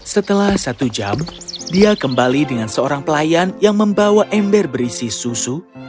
setelah satu jam dia kembali dengan seorang pelayan yang membawa ember berisi susu